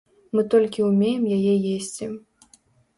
Мы толькі ўмеем яе есці.